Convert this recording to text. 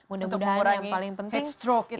untuk mengurangi head stroke